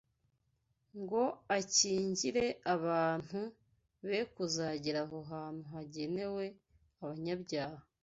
ngo akingire abantu be kuzagera aho hantu hagenewe abanyabyaha